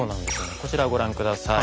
こちらご覧下さい。